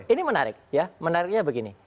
ini menarik ya menariknya begini